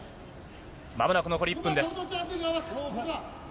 まもなく残り１分です。